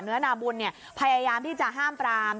เนื้อนาบุญเนี่ยพยายามที่จะห้ามปราม